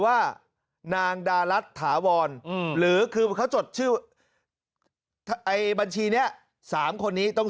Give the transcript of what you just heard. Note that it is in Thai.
ว่านางดารัฐถาวรหรือคือเขาจดชื่อไอ้บัญชีนี้๓คนนี้ต้อง